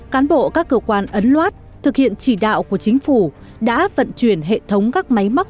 cán bộ các cơ quan ấn loát thực hiện chỉ đạo của chính phủ đã vận chuyển hệ thống các máy móc